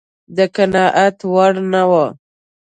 د قناعت وړ نه و.